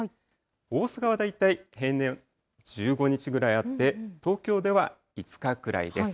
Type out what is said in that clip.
大阪は大体平年１５日ぐらいあって、東京では５日くらいです。